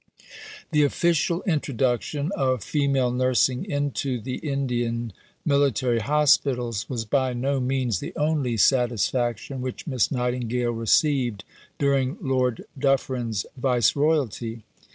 The official introduction of female nursing into the Indian military hospitals was by no means the only satisfaction which Miss Nightingale received during Lord Dufferin's Viceroyalty.